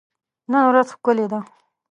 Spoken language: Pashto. نن ورځ ښکلي ده.